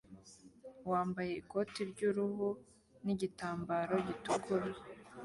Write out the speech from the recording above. wambaye ikoti ryuruhu nigitambaro gitukura